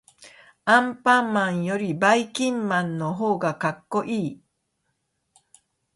アンパンマンよりばいきんまんのほうがかっこいい。